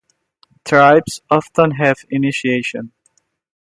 Tribes often have initiations.